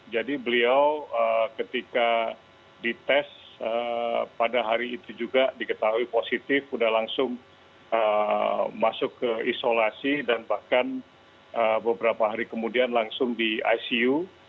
jadi beliau ketika dites pada hari itu juga diketahui positif sudah langsung masuk ke isolasi dan bahkan beberapa hari kemudian langsung di icu